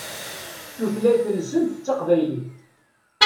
Tutlayt-nsent d taqbaylit.